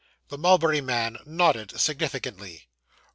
The mulberry man nodded significantly.